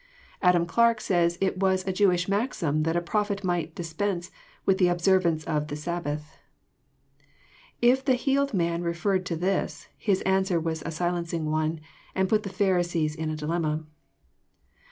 Adam Clarke says it was " a Jewish maxim that a prophet might dispense with the observance of the Sabbath." If the healed man referred to this, his answer was a silencing one, and put the Pharisees In a dilemma.